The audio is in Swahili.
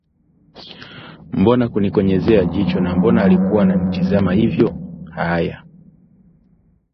mbona kunikonyezea jicho na mbona alikuwa ananitazama hivyo? " Haya